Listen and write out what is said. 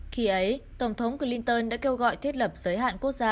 khi ấy tổng thống clinton đã kêu gọi thiết lập giới hạn quốc gia